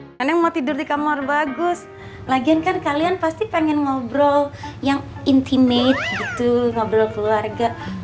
karena yang mau tidur di kamar bagus lagian kan kalian pasti pengen ngobrol yang intimate gitu ngobrol keluarga